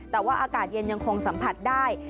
แต่ว่าอากาศเย็นยังคงสัมผัสได้